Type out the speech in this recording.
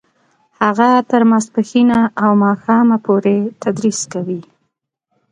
هغه تر ماسپښینه او ماښامه پورې تدریس کوي